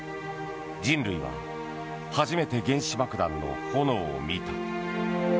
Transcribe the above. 人類は、初めて原子爆弾の炎を見た。